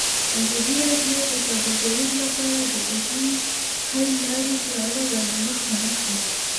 ازادي راډیو د سوداګري لپاره د بدیل حل لارې په اړه برنامه خپاره کړې.